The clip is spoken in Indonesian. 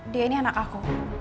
dia ini anak aku